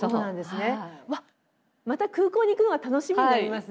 また空港に行くのが楽しみになりますね。